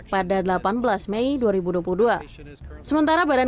pada tahun seribu sembilan ratus delapan puluh